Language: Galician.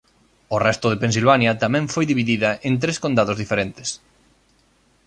O resto de Pensilvania tamén foi dividida en tres condados diferentes.